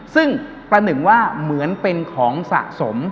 ซึ่งประหนึ่งว่าเหมือนเป็นของสะสม